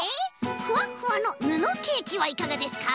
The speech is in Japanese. ふわっふわのぬのケーキはいかがですか？